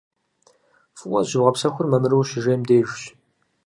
ФӀыуэ зыщыбгъэпсэхур мамыру ущыжейм дежщ.